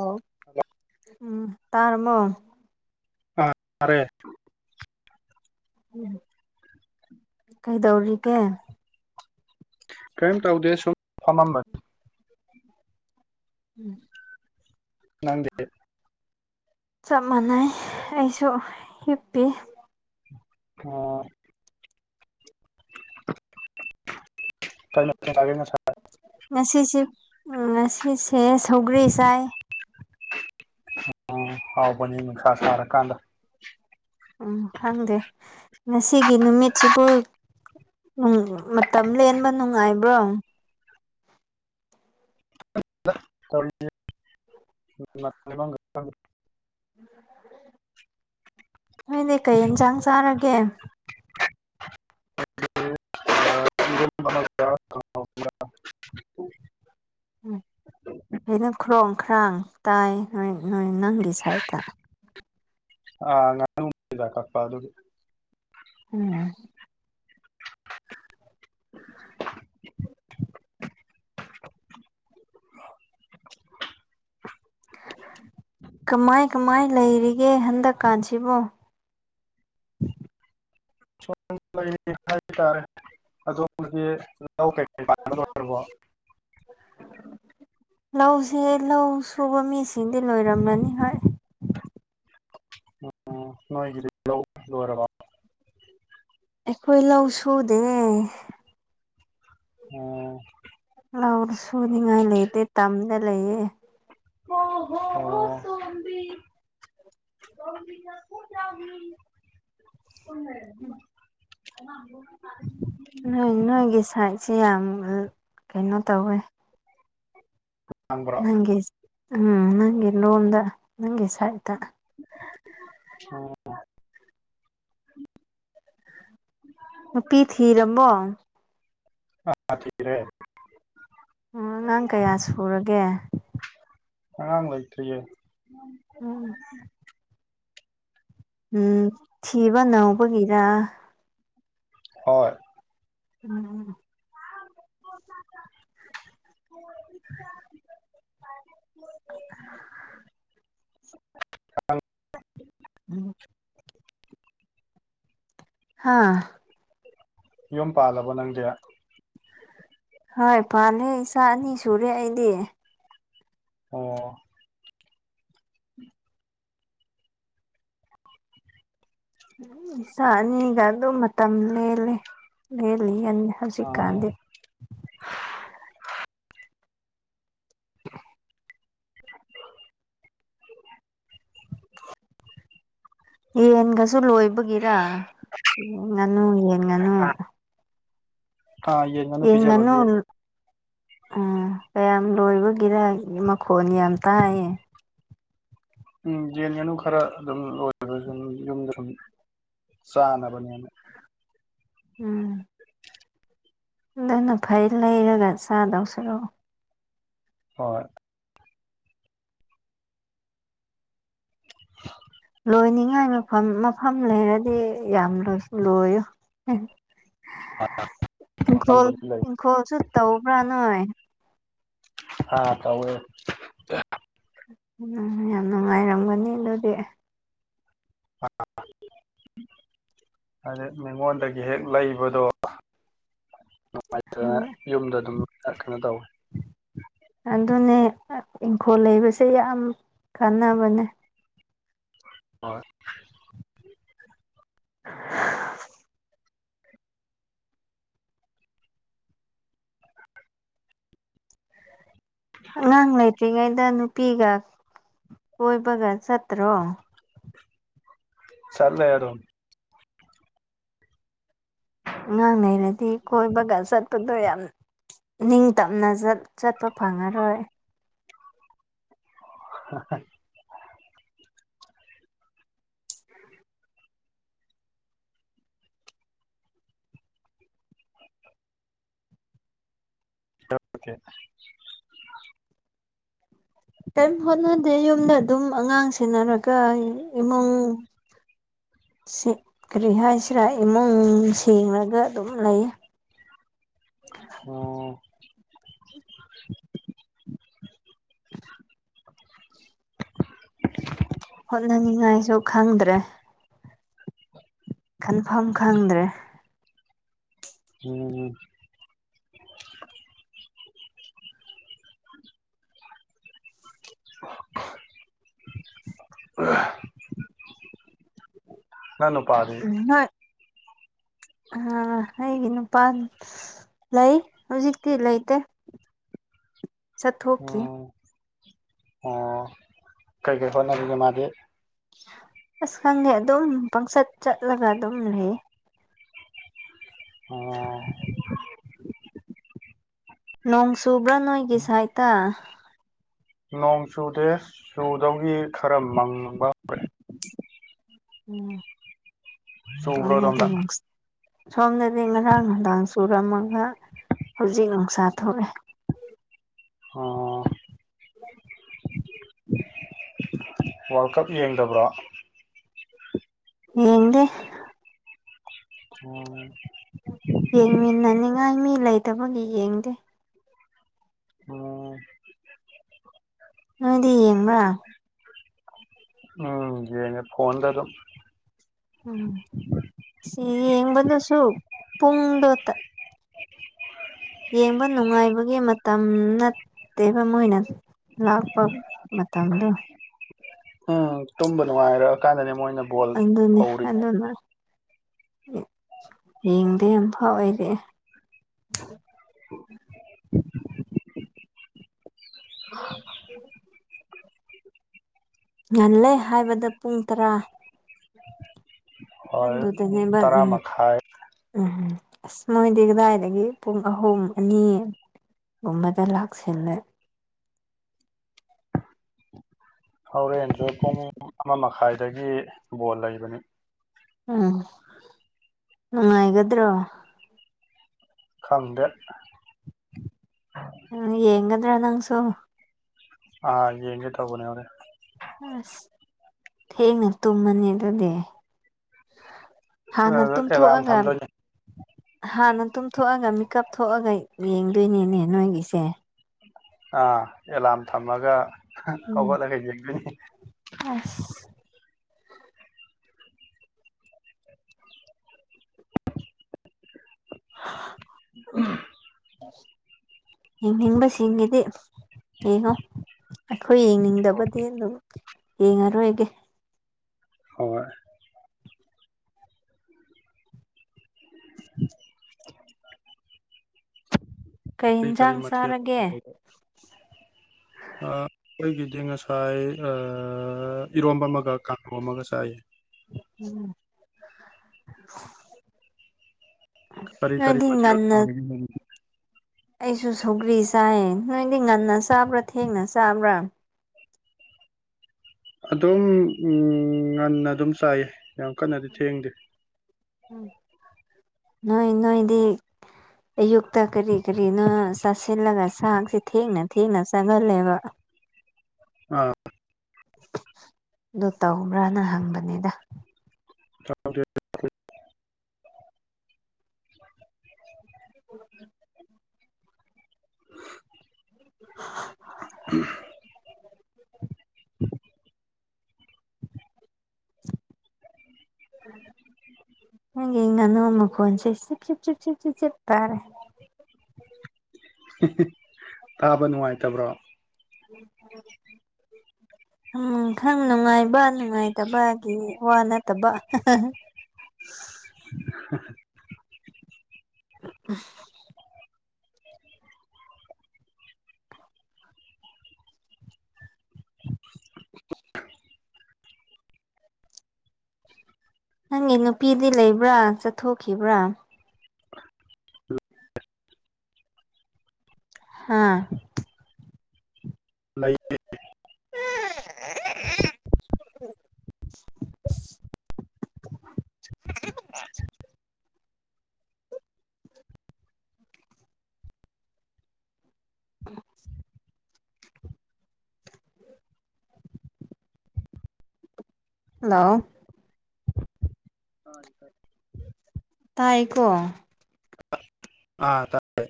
ꯑꯣ ꯍꯜꯂꯣ ꯎꯝ ꯇꯥꯔꯃꯣ ꯑꯥ ꯇꯥꯔꯦ ꯎꯝ ꯀꯩꯗꯧꯔꯤꯒꯦ ꯀꯔꯤꯝ ꯇꯧꯗꯦ ꯁꯨꯝ ꯐꯝꯃꯝꯕꯅꯤ ꯎꯝ ꯅꯪꯗꯤ ꯆꯞ ꯃꯥꯟꯅꯩ ꯑꯩꯁꯨ ꯍꯤꯞꯄꯤ ꯑꯣ ꯀꯩ ꯃꯊꯦꯜ ꯆꯥꯒꯦ ꯉꯁꯥꯏ ꯉꯁꯤꯁꯦ ꯉꯁꯤꯁꯦ ꯁꯧꯒ꯭ꯔꯤ ꯆꯥꯏ ꯍꯥꯎꯕꯅꯤ ꯅꯨꯡꯁꯥ ꯁꯔꯀꯥꯟꯗ ꯎꯝ ꯈꯪꯗꯦ ꯉꯁꯤꯒꯤ ꯅꯨꯃꯤꯠꯁꯤꯕꯨ ꯎꯝ ꯃꯇꯝ ꯂꯦꯟꯕ ꯅꯨꯡꯉꯥꯏꯕ꯭ꯔꯣ [unintelligible] ꯍꯣꯏꯅꯦ ꯀꯩ ꯌꯦꯟꯁꯥꯡ ꯆꯥꯔꯒꯦ [inaudible] ꯑꯥ ꯏꯔꯣꯝꯕ ꯑꯃꯒ ꯀꯥꯡꯒꯧ ꯑꯃꯒ ꯎꯝ ꯑꯩꯅ ꯈꯨꯔꯣꯡ ꯈꯔꯥꯡ ꯇꯥꯏꯌꯦ ꯅꯣꯏ ꯅꯪꯒꯤ ꯁꯥꯏꯗꯠꯇ ꯑꯥ ꯉꯥꯅꯨ ꯃꯆꯤꯟꯖꯥꯛ ꯀꯛꯄ ꯑꯗꯨꯒꯤ ꯎꯝ [inaudible] ꯀꯃꯥꯏ ꯀꯃꯥꯏ ꯂꯩꯔꯤꯒꯦ ꯍꯟꯗꯛꯀꯥꯟꯁꯤꯕꯣ ꯁꯨꯝ ꯂꯩꯔꯝꯃꯤ ꯍꯥꯏ ꯇꯥꯔꯦ ꯑꯗꯣꯝꯒꯤ ꯂꯧ ꯀꯩ ꯀꯩ ꯄꯥꯟꯕ ꯂꯣꯏꯔꯕꯣ ꯂꯧꯁꯦ ꯂꯧ ꯁꯨꯕ ꯃꯤꯁꯤꯡꯗꯤ ꯂꯣꯏꯔꯝꯃꯅꯤ ꯍꯣꯏ ꯎꯝ ꯅꯣꯏꯒꯤꯗꯤ ꯂꯧ ꯂꯣꯏꯔꯕꯣ ꯑꯩꯈꯣꯏ ꯂꯧ ꯁꯨꯗꯦ ꯑꯣꯝ ꯂꯥꯎ ꯁꯨꯅꯤꯉꯥꯏ ꯂꯩꯇꯦ ꯇꯝꯗꯥ ꯂꯩꯌꯦ ꯍꯣ ꯍꯣ ꯍꯣ ꯁꯣꯕꯤ [unintelligible] ꯇꯨꯝ ꯂꯩꯔꯝꯃꯤ ꯑꯉꯥꯡꯗꯣ ꯅꯣꯏ ꯅꯣꯏꯒꯤ ꯁꯥꯏꯠꯁꯤ ꯌꯥꯝ ꯀꯩꯅꯣ ꯇꯧꯋꯦ ꯉꯥꯡꯕ꯭ꯔꯣ ꯅꯪꯒꯤ ꯎꯝ ꯅꯪꯒꯤ ꯂꯣꯟꯗ ꯅꯪꯒꯤ ꯁꯥꯏꯠꯇ ꯑꯥ ꯅꯨꯄꯤ ꯊꯤꯔꯃꯣ ꯑꯥ ꯊꯤꯔꯦ ꯑꯥ ꯑꯉꯥꯡ ꯀꯌꯥ ꯁꯨꯔꯒꯦ ꯑꯉꯥꯡ ꯂꯩꯇ꯭ꯔꯤꯌꯦ ꯎꯝ ꯎꯝ ꯊꯤꯕ ꯅꯧꯕꯒꯤꯔ ꯍꯣꯏ ꯎꯝ [unintelligible] ꯎꯝ [unintelligible] ꯑ [unintelligible] ꯑ [unintelligible] ꯎꯝ ꯍꯥꯥ ꯌꯨꯝ ꯄꯥꯜꯂꯕꯣ ꯅꯪꯗꯤ ꯍꯣꯏ ꯄꯥꯜꯂꯦ ꯏꯆꯥ ꯑꯅꯤ ꯁꯨꯔꯦ ꯑꯩꯗꯤ ꯑꯣ ꯎꯝ [unintelligible] ꯏꯆꯥ ꯑꯅꯤꯒ ꯑꯗꯨꯝ ꯃꯇꯝ ꯂꯦꯜꯂꯦ ꯂꯦꯜꯂꯤꯒꯅꯤ ꯑꯥ ꯍꯧꯖꯤꯛꯀꯥꯟꯗꯤ ꯑ [unintelligible] [unintelligible] ꯌꯦꯟꯒꯁꯨ ꯂꯣꯏꯕꯒꯤꯔ ꯌꯦꯟ ꯉꯥꯅꯨ ꯌꯦꯟ ꯉꯥꯅꯨ ꯑꯥ ꯌꯦꯟ ꯉꯥꯅꯨ ꯌꯦꯟ ꯄꯤꯖꯕꯒꯤ ꯉꯅꯨ ꯎꯝ ꯀꯌꯥꯝ ꯂꯣꯏꯕꯒꯤꯔ ꯃꯈꯣꯟ ꯌꯥꯝ ꯇꯥꯏꯌꯦ ꯎꯝ ꯌꯦꯟ ꯉꯥꯅꯨ ꯈꯔ ꯑꯗꯨꯝ ꯂꯣꯏꯕ ꯁꯨꯝ ꯌꯨꯝꯗ ꯁꯨꯝ ꯆꯥꯅꯕꯅꯦꯅ ꯎꯝ ꯑꯗꯨꯅ ꯐꯩ ꯂꯩꯔꯒ ꯆꯥꯗꯧꯁꯔꯨꯛ ꯍꯣꯏ [unintelligible] ꯂꯣꯏꯅꯤꯡꯉꯥꯏ ꯃꯐꯝ ꯃꯐꯝ ꯂꯩꯔꯗꯤ ꯌꯥꯝ ꯂꯣꯏꯌꯨ ꯏꯪꯈꯣꯜ ꯃꯐꯝꯕꯨꯗꯤ ꯂꯩ ꯏꯪꯈꯣꯜꯁꯨ ꯇꯧꯕ꯭ꯔꯥ ꯅꯣꯏ ꯑꯥ ꯇꯧꯋꯦ ꯎꯝ ꯌꯥꯝ ꯅꯨꯡꯉꯥꯏꯔꯝꯒꯅꯤ ꯑꯗꯨꯗꯤ ꯑ [unintelligible] ꯑꯗꯥ ꯃꯤꯉꯣꯟꯗꯒꯤ ꯍꯦꯛ ꯂꯩꯕꯗꯣ ꯅꯨꯡꯉꯥꯏꯇꯗꯅ ꯌꯨꯝꯗ ꯑꯗꯨꯝ ꯀꯩꯅꯣ ꯇꯧꯋꯤ ꯑꯗꯨꯅꯦ ꯏꯪꯈꯣꯜ ꯂꯩꯕꯁꯦ ꯌꯥꯝ ꯀꯥꯟꯅꯕꯅꯦ ꯍꯣꯏ [unintelligible] ꯑꯉꯥꯡ ꯂꯩꯇ꯭ꯔꯤꯉꯩꯗ ꯅꯨꯄꯤꯒ ꯀꯣꯏꯕꯒ ꯆꯠꯇ꯭ꯔꯣ ꯆꯠꯂ‌ꯦ ꯑꯗꯨꯝ ꯑꯉꯥꯡ ꯂꯩꯔꯗꯤ ꯀꯣꯏꯕꯒ ꯆꯠꯄꯗꯣ ꯌꯥꯝ ꯅꯤꯡꯇꯝꯅ ꯆꯠ ꯆꯠꯄ ꯐꯪꯉꯔꯣꯏ [unintelligible] ꯦ [unintelligible] ꯀꯩꯝ ꯍꯣꯠꯅꯗꯦ ꯌꯨꯝꯗ ꯑꯗꯨꯝ ꯑꯉꯥꯡ ꯁꯦꯟꯅꯔꯒ ꯏꯃꯨꯡ ꯀꯔꯤ ꯍꯥꯏꯁꯤꯔꯥ ꯏꯃꯨꯡ ꯁꯦꯡꯂꯒ ꯑꯗꯨꯝ ꯂꯩꯌ‌ꯦ ꯑꯣ ꯍꯣꯠꯅꯅꯤꯉꯥꯏꯁꯨ ꯈꯪꯗ꯭ꯔꯦ ꯎ [unintelligible] ꯈꯟꯐꯝ ꯈꯪꯗ꯭ꯔꯦ ꯎꯝ ꯎ [unintelligible] ꯅꯪ ꯅꯨꯄꯥꯗꯤ ꯅ‌ꯣꯏ ꯑ ꯑꯩꯒꯤ ꯅꯨꯄꯥ ꯂꯩ ꯍꯧꯖꯤꯛꯇꯤ ꯂꯩꯇꯦ [inaudible] ꯎꯝ ꯑꯣ ꯀꯩꯀꯩ ꯍꯣꯠꯅꯔꯤꯒꯦ ꯃꯥꯗꯤ ꯑꯁ ꯈꯪꯗ‌ꯦ ꯑꯗꯨꯝ ꯄꯪꯆꯠ ꯆꯠꯂꯒ ꯑꯗꯨꯝ ꯂꯩꯌ‌ꯦ ꯑꯣ ꯅꯣꯡ ꯆꯨꯕ꯭ꯔꯥ ꯅꯣꯏꯒꯤ ꯁꯥꯏꯠꯇ ꯅꯣꯡ ꯆꯨꯗꯦ ꯆꯨꯗꯧꯒꯤ ꯈꯔ ꯃꯪꯕ ꯎꯝ ꯆꯨꯕ꯭ꯔꯣ ꯑꯗꯣꯝꯗ [unintelligible] ꯁꯣꯝꯗꯗꯤ ꯉꯔꯥꯡ ꯅꯨꯡꯗꯥꯡ ꯆꯨꯔꯝꯃꯒ ꯍꯧꯖꯤꯛ ꯅꯨꯡꯁꯥ ꯊꯣꯛꯑꯦ ꯑꯣ [inaudible] ꯋꯥꯔꯜ ꯀꯞ ꯌꯦꯡꯗꯕ꯭ꯔꯣ ꯌꯦꯡꯗꯦ ꯑꯣꯝ ꯌꯦꯡꯃꯤꯟꯅꯅꯤꯡꯉꯥꯏ ꯃꯤ ꯂꯩꯇꯕꯒꯤ ꯌꯦꯡꯗꯦ ꯑꯣ ꯅꯪꯗꯤ ꯌꯦꯡꯕꯔꯥ ꯎꯝ ꯌꯦꯡꯉꯦ ꯐꯣꯟꯗ ꯑꯗꯨꯝ ꯎꯝ ꯁꯤ ꯌꯦꯡꯕꯗꯁꯨ ꯄꯨꯨꯡꯗꯣ ꯇ ꯌꯦꯡꯕ ꯅꯨꯡꯉꯥꯏꯕꯒꯤ ꯃꯇꯝ ꯅꯠꯇꯦꯕ ꯃꯣꯏꯅ ꯂꯥꯛꯄ ꯃꯇꯝꯗꯣ ꯎꯝ ꯇꯨꯝꯕ ꯅꯨꯡꯉꯥꯏꯔꯛꯑ ꯀꯥꯟꯗꯅꯦ ꯃꯣꯏꯅ ꯕꯣꯜ ꯑꯗꯨꯅ‌ꯦ ꯍꯧꯔꯤꯁꯦ ꯑꯗꯨꯅ ꯌꯦꯡꯗꯦ ꯑꯝꯐꯥꯎ ꯑꯩꯗꯤ ꯍ [unintelligible] ꯉꯜꯂꯦ ꯍꯥꯏꯕꯗ ꯄꯨꯡ ꯇꯔꯥ ꯍꯣꯏ ꯗꯅꯦꯕ ꯇꯔꯥ ꯎꯝ ꯃꯈꯥꯏ ꯎꯝ ꯑꯁ ꯃꯣꯏꯗꯤ ꯀꯗꯥꯏꯗꯒꯤ ꯄꯨꯡ ꯑꯍꯨꯝ ꯑꯅꯤ ꯒꯨꯝꯕꯗ ꯂꯥꯛꯁꯤꯜꯂꯦ ꯍꯧꯔꯦꯟꯁꯨ ꯄꯨꯡ ꯑꯃ ꯃꯈꯥꯏꯗꯒꯤ ꯕꯣꯜ ꯂꯩꯕꯅꯤ ꯎꯝ ꯅꯨꯡꯉꯥꯏꯒꯗ꯭ꯔꯣ ꯈꯪꯗꯦ ꯎ ꯌꯦꯡꯒꯗ꯭ꯔꯥ ꯅꯪꯁꯨ ꯑ ꯌꯦꯡꯒꯦ ꯇꯧꯕꯅꯦ ꯍꯣꯔꯦꯟ ꯑꯁ ꯊꯦꯡꯅ ꯇꯨꯝꯃꯅꯤ ꯑꯗꯨꯗꯤ ꯍꯥꯟꯅ ꯑꯦꯂꯥꯔꯝ ꯇꯨꯝꯊꯣꯛꯑꯒ ꯊꯝꯗꯣꯏꯅꯤ ꯍꯥꯟꯅ ꯇꯨꯝꯊꯣꯛꯑꯒ ꯃꯤꯀꯞ ꯊꯣꯛꯑꯒ ꯌꯦꯡꯗꯣꯏꯅꯤꯅꯦ ꯅꯣꯏꯒꯤꯁꯦ ꯑꯥ ꯑꯦꯂꯥꯔꯝ ꯊꯝꯃꯒ ꯎꯝ ꯍꯧꯒꯠꯂꯒ ꯌꯦꯡꯗ‌ꯣꯏꯅꯤ ꯑꯁ [unintelligible] ꯌ‌ꯦꯡꯅꯤꯡꯕꯁꯤꯡꯒꯤꯗꯤ ꯌꯦꯡꯉꯣ ꯑꯩꯈꯣꯏ ꯌꯦꯡꯅꯤꯡꯗꯕꯗꯤ ꯑꯗꯨꯝ ꯌꯦꯡꯉꯔꯣꯏꯒꯦ ꯍꯣꯏ [unintelligible] ꯀꯩ ꯀꯔꯤ ꯀꯔꯤ ꯌꯦꯟꯁꯥꯡ ꯃꯊ‌ꯦꯜ [inaudible] ꯆꯥꯔꯒꯦ ꯑꯥ ꯑꯩꯈꯣꯏꯒꯤꯗꯤ ꯉꯁꯥꯏ ꯑꯏ ꯏꯔꯣꯝꯕ ꯑꯃꯒ ꯀꯥꯡꯍꯧ ꯑꯃꯒ ꯆꯥꯏꯌꯦ ꯎꯝ ꯅꯣꯏꯗꯤ ꯉꯟꯅ ꯎꯝ ꯑꯩꯁꯨ ꯁꯧꯒ꯭ꯔꯤ ꯆꯥꯏꯌꯦ ꯅꯣꯏꯗꯤ ꯉꯟꯅ ꯆꯥꯕ꯭ꯔꯥ ꯊꯦꯡꯅ ꯆꯥꯕ꯭ꯔꯥ ꯑꯗꯨꯝ ꯉꯟꯅ ꯑꯗꯨꯝ ꯆꯥꯏꯌꯦ ꯌꯥꯝ ꯀꯟꯅꯗꯤ ꯊꯦꯡꯗꯦ ꯅꯣꯏ ꯅꯣꯏꯗꯤ ꯑꯌꯨꯛꯇ ꯀꯔꯤ ꯀꯔꯤꯅꯣ ꯆꯥꯁꯤꯜꯂꯒ ꯆꯥꯛꯁꯦ ꯊꯦꯡꯅ ꯊꯦꯡꯅ ꯆꯥꯒꯜꯂꯦꯕ ꯑꯥ ꯑꯗꯨ ꯇꯧꯕ꯭ꯔꯅ ꯍꯪꯕꯅꯤꯗ [unintelligible] [unintelligible] ꯅꯪꯒꯤ ꯉꯅꯨ ꯃꯈꯣꯟꯁꯦ ꯆꯤꯠ ꯆꯤꯇ ꯆꯤꯠ ꯆꯤꯠ ꯆꯤꯠ ꯆꯤꯠ ꯇꯥꯔꯦ [unintelligible] ꯇꯥꯕ ꯅꯨꯡꯉꯥꯏꯇꯕ꯭ꯔꯣ [inaudible] ꯍꯥꯝ ꯈꯔꯥ ꯅꯨꯡꯉꯥꯏꯕ ꯅꯨꯡꯉꯥꯏꯇꯕꯒꯤ ꯋꯥ ꯅꯠꯇꯕ [unintelligible] [unintelligible] [inaudible] ꯅꯪꯒꯤ ꯅꯨꯄꯤꯗꯤ ꯂꯩꯕ꯭ꯔꯥ ꯆꯠꯊꯣꯛꯈꯤꯕ꯭ꯔꯥ ꯍꯥꯥ ꯂꯩ [unintelligible] [unintelligible] [inaudible] ꯍꯜꯂꯣ [unintelligible] ꯇꯥꯏꯀꯣ ꯑꯥ ꯇꯥꯏꯌꯦ